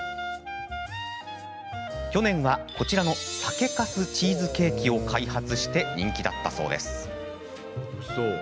去年はこちらの酒かすチーズケーキを開発して人気だったそうです。